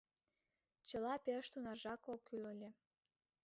— Чыла пеш тунаржак ок кӱл ыле.